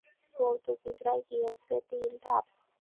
পর্তুগিজরা এগিয়েছে তিন ধাপ।